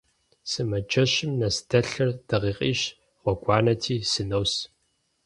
Сымаджэщым нэс дэлъыр дакъикъищ гъуэгуанэти, сынос.